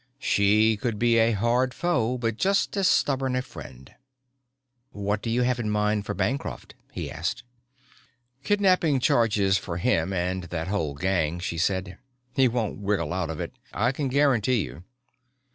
She could be a hard foe but just as stubborn a friend. "What do you have in mind for Bancroft?" he asked. "Kidnapping charges for him and that whole gang," she said. "He won't wriggle out of it, I can guarantee you."